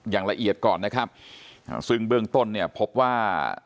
อย่างละเอียดก่อนนะครับอ่าซึ่งเบื้องต้นเนี่ยพบว่า